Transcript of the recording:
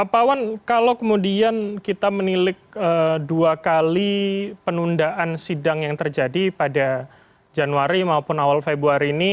pak wan kalau kemudian kita menilik dua kali penundaan sidang yang terjadi pada januari maupun awal februari ini